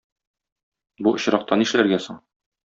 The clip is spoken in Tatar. Бу очракта нишләргә соң?